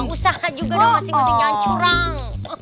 usaha juga dong masih ngasih nyancurang